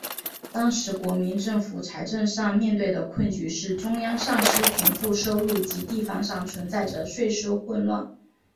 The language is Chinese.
当时国民政府财政上面对的困局是中央丧失田赋收入及地方上存在着税收混乱。